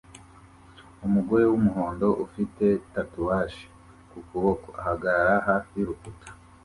Umugore wumuhondo ufite tatuwaje ku kuboko ahagarara hafi yurukuta